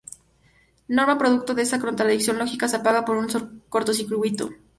Norman, producto de esta contradicción lógica, se apaga por un cortocircuito.